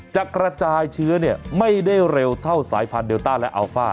จะกระจายเชื้อไม่ได้เร็วเท่าสายพันธุเดลต้าและอัลฟ่า